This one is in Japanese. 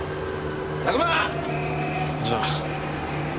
じゃあ。